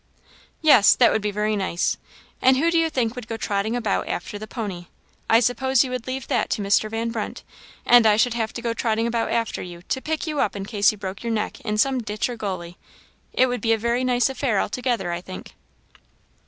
"Yes, that would be very nice! And who do you think would go trotting about after the pony? I suppose you would leave that to Mr. Van Brunt; and I should have to go trotting about after you, to pick you up in case you broke your neck in some ditch or gulley it would be a very nice affair altogether, I think."